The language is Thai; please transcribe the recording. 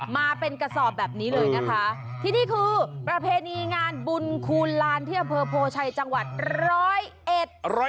มาเป็นกระสอบแบบนี้เลยนะคะที่นี่คือประเพณีงานบุญคูณลานที่อำเภอโพชัยจังหวัดร้อยเอ็ด